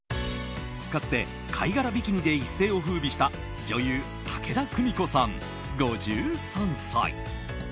かつて貝殻ビキニで一世を風靡した女優・武田久美子さん、５３歳。